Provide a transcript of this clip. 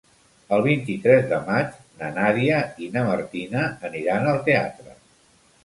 El vint-i-tres de maig na Nàdia i na Martina aniran al teatre.